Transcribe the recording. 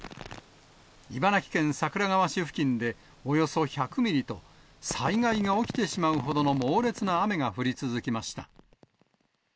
茨城県桜川市付近でおよそ１００ミリと、災害が起きてしまうほどの猛烈な雨が降り続きました。